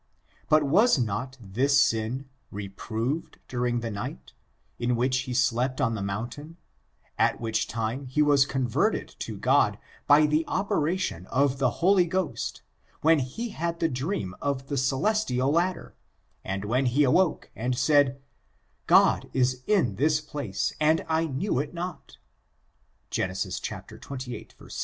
But was not this sin reproved during the night, in which he slept on the mountain, at which time he was converted to God by the operation of the Holy Gho6t| when he had the dream of the celestial ladder, and when he awoke and said: ^^Ood is in this plcice^ and I knew it not" Gen. xxviii, 16.